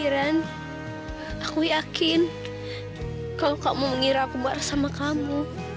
aku yakin kalau kamu ngira aku marah sama kamu